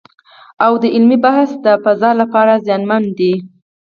او د علمي بحث د فضا لپاره زیانمن دی